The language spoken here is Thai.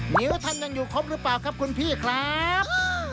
นิ้วท่านยังอยู่ครบหรือเปล่าครับคุณพี่ครับ